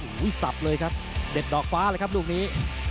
โอ้โหสับเลยครับเด็ดดอกฟ้าเลยครับลูกนี้